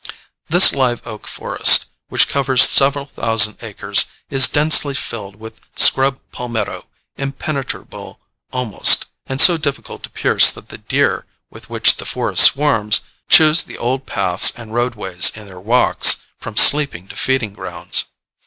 This live oak forest, which covers several thousand acres, is densely filled with scrub palmetto, impenetrable almost, and so difficult to pierce that the deer with which the forest swarms choose the old paths and roadways in their walks from sleeping to feeding grounds.